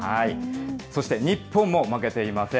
そして、日本も負けていません。